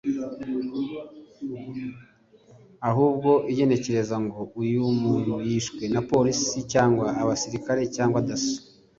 ahubwo igenekereza ngo uyu muntu “yishwe na polisi cyangwa abasirikare cyangwa Dasso